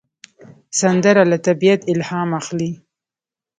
سندره له طبیعت الهام اخلي